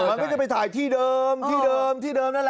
มันก็จะไปถ่ายที่เดิมที่เดิมที่เดิมนั่นแหละ